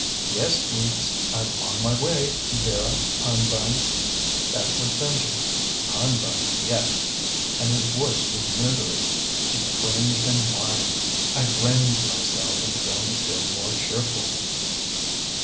"Yes, sweets. I'm on my way, Vera hun bun." That was Benji. Hun bun, yet! And his voice was misery. It cringed and whined. I grinned to myself and began to feel more cheerful.